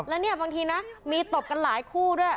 แล้วเนี่ยบางทีนะมีตบกันหลายคู่ด้วย